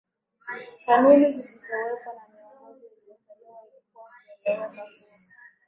kanuni zilizowekwa na miongozo iliyotolewa ilikuja kueleweka kuwa